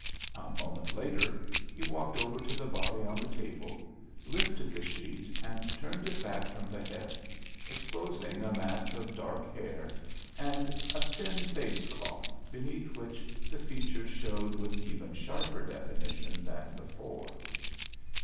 A moment later he walked over to the body on the table, lifted the sheet and turned it back from the head, exposing a mass of dark hair and a thin face cloth, beneath which the features showed with even sharper definition than before.